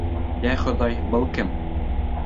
Йә, Хоҙай, был кем?